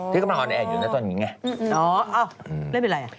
ที่กำลังออนแอร์อยู่ในตอนนี้ไงเล่นเป็นอะไร